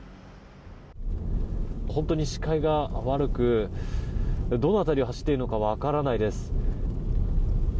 本当に視界が悪くどの辺りを走っているのか分からないです。